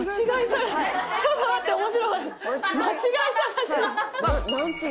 ちょっと待って。